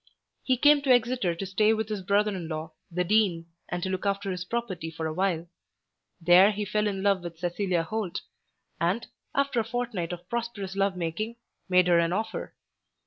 He came to Exeter to stay with his brother in law, the Dean, and to look after his property for a while. There he fell in love with Cecilia Holt, and, after a fortnight of prosperous love making, made her an offer.